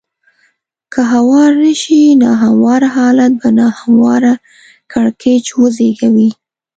که هوار نه شي نا همواره حالات به نا همواره کړکېچ وزېږوي.